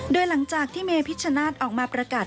โดยหลังจากที่เมพิชชนาธิ์ออกมาประกาศ